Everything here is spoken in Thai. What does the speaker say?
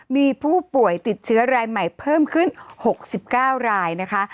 มีผู้ป่วยติดเชื้อรายใหม่เพิ่มขึ้น๖๙รายนะคะ